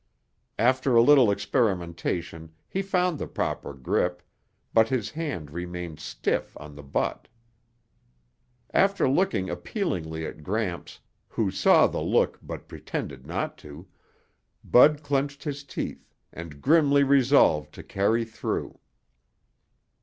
After a little experimentation he found the proper grip, but his hand remained stiff on the butt. After looking appealingly at Gramps, who saw the look but pretended not to, Bud clenched his teeth and grimly resolved to carry through.